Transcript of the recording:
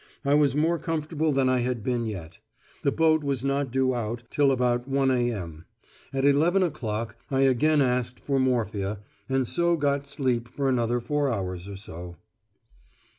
I was more comfortable than I had been yet. The boat was not due out till about 1.0 a.m. At eleven o'clock I again asked for morphia, and so got sleep for another four hours or so.